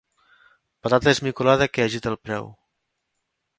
Patata esmicolada que agita el preu.